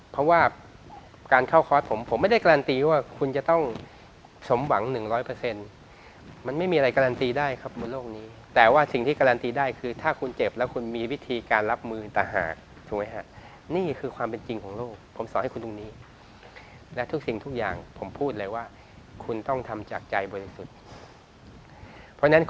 เพราะว่าการเข้าคอร์สผมผมไม่ได้การันตีว่าคุณจะต้องสมหวัง๑๐๐มันไม่มีอะไรการันตีได้ครับบนโลกนี้แต่ว่าสิ่งที่การันตีได้คือถ้าคุณเจ็บแล้วคุณมีวิธีการรับมือต่างหากถูกไหมฮะนี่คือความเป็นจริงของโลกผมสอนให้คุณตรงนี้และทุกสิ่งทุกอย่างผมพูดเลยว่าคุณต้องทำจากใจบริสุทธิ์เพราะฉะนั้นค